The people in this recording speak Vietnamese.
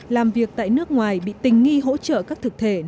làm việc tại nước ngoài bị tình nghi hỗ trợ các thực thể